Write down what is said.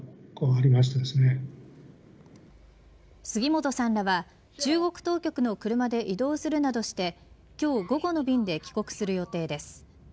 杉本さんらは中国当局の車で移動するなどして今日午後の便で帰国する予定です。